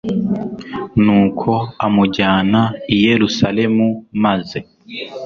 nuko amujyana i yerusalemu maze